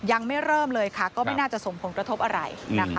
ยังไม่เริ่มเลยค่ะก็ไม่น่าจะส่งผงตฤทธิ์อะไร